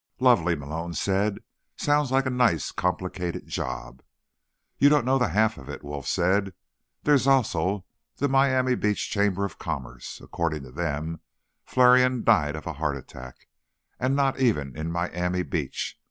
"Lovely," Malone said. "Sounds like a nice complicated job." "You don't know the half of it," Wolf said. "There's also the Miami Beach Chamber of Commerce. According to them, Flarion died of a heart attack, and not even in Miami Beach.